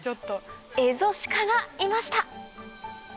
エゾシカがいました！